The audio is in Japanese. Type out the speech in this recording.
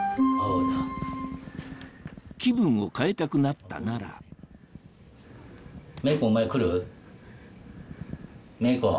気分を変えたくなったなら芽衣子。